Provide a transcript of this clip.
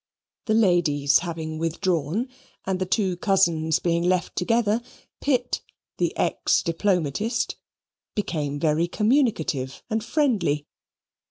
The ladies having withdrawn, and the two cousins being left together, Pitt, the ex diplomatist, he came very communicative and friendly.